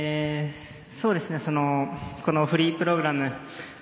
このフリープログラム